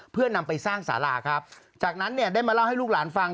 เพื่อนำไปสร้างสาราครับจากนั้นเนี่ยได้มาเล่าให้ลูกหลานฟัง